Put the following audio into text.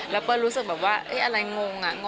แล้วเปิ้ลรู้สึกแบบว่าอะไรงงอะงง